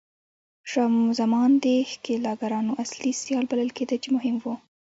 شاه زمان د ښکېلاګرانو اصلي سیال بلل کېده چې مهم و.